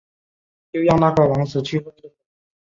就让那个王子去晃动吧！